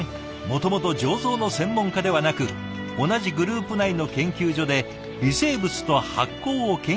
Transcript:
もともと醸造の専門家ではなく同じグループ内の研究所で「微生物と発酵」を研究してきた科学者。